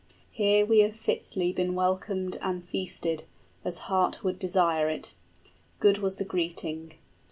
Here have we fitly 5 Been welcomed and feasted, as heart would desire it; Good was the greeting.